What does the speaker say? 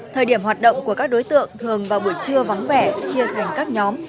thời điểm hoạt động của các đối tượng thường vào buổi trưa vắng vẻ chia thành các nhóm